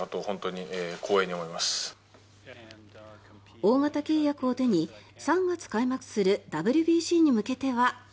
大型契約を手に、３月開幕するＷＢＣに向けては。